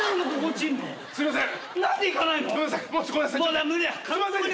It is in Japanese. すいません。